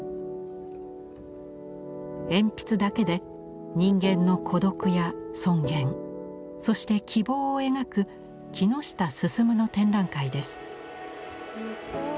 鉛筆だけで人間の孤独や尊厳そして希望を描く木下晋の展覧会です。